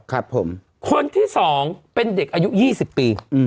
คนที่๒เป็นเด็กอายุ๒๐ปี